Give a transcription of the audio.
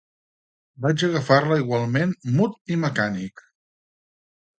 Vaig agafar-la igualment mut i mecànic.